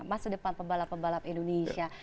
masa depan pebalap pebalap indonesia